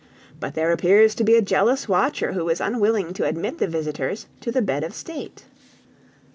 But there appears to be a jealous watcher who is unwilling to admit the visitors to the bed of state!"